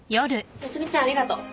夏海ちゃんありがとう。